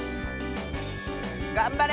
がんばれ！